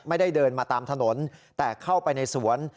ไม่ได้เดินมาตามถนนแต่เข้าไปในสวน